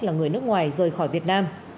là người nước ngoài rời khỏi việt nam